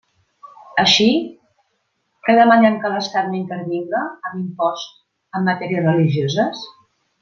Així, ¿que demanem que l'estat no intervinga, amb imposts, en matèries religioses?